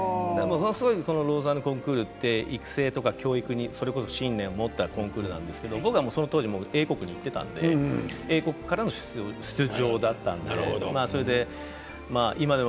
このローザンヌコンクールは育成や教育に信念を持ったコンクールなんですけれども僕はその当時も英国に行っていたので英国からの出場だったので今でも